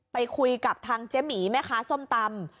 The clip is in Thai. ไปคุยกับทางเจ๊หมีแม่ค้าส้มตำ